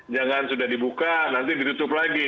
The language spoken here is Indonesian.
jangan sudah dibuka nanti ditutup lagi